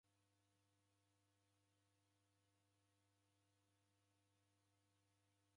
Mwanedu wafuma itanaa w'aghenda kwa aba